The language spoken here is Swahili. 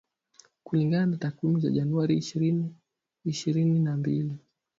Kulingana na takwimu za Januari ishirini ishirini na mbili